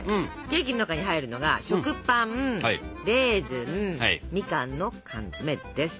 ケーキの中に入るのが食パンレーズンみかんの缶詰です。